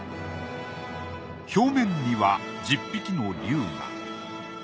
表面には１０匹の龍が。